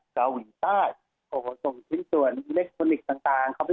กาวินทราสต์โหส่งไปทั้งส่วนเล็กคอนิกส์ต่างต่างครับ